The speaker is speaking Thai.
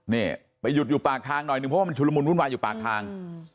นี่ไปหยุดอยู่ปากทางหน่อยหนึ่งเพราะว่ามันชุลมุนวุ่นวายอยู่ปากทาง